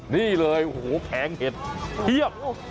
นี่เลยแผงเห็ดเยี่ยม